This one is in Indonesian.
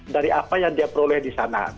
dari apa yang dia peroleh di sana